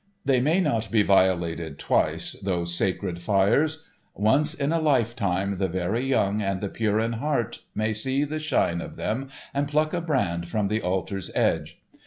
They may not be violated twice, those sacred fires. Once in a lifetime the very young and the pure in heart may see the shine of them and pluck a brand from the altar's edge.